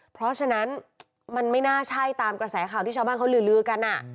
เพราะฉะนั้นมันไม่น่าใช่ตามกระแสข่าวที่ชาวบ้านเขาลือกัน